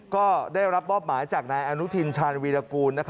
ก็ได้รับมอบหมายจากนายอนุทินชาญวีรกูล